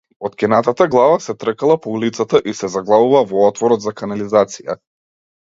Откинатата глава се тркала по улицата и се заглавува во отворот за канализација.